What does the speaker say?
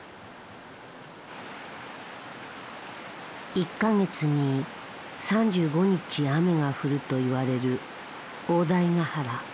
１か月に３５日雨が降るといわれる大台ヶ原。